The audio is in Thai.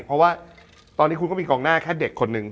เพราะว่าตอนนี้คุณก็มีกองหน้าแค่เด็กคนนึง